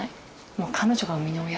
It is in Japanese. もう彼女が産みの親。